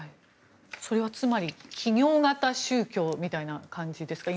それはつまり企業型宗教みたいな感じですか？